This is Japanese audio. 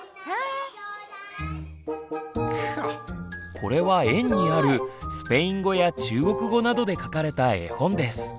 これは園にあるスペイン語や中国語などで書かれた絵本です。